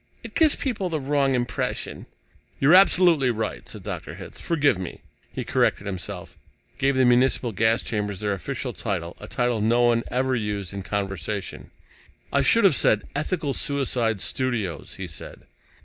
"It gives people the wrong impression." "You're absolutely right," said Dr. Hitz. "Forgive me." He corrected himself, gave the municipal gas chambers their official title, a title no one ever used in conversation. "I should have said, 'Ethical Suicide Studios,'" he said.